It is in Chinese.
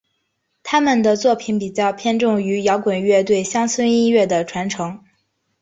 他们的作品比较偏重于摇滚乐对乡村音乐的传承。